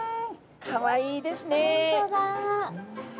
かわいいですね。